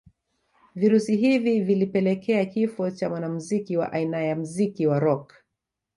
Virusi hivi vilipelekea kifo cha mwanamuziki wa aina ya muziki wa rock